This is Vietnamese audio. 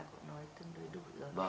cũng nói tương đối đủ rồi